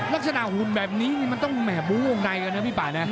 ลักษณะหุ่นแบบนี้มันต้องแหมบุ้งวงในกันนะพี่ป่า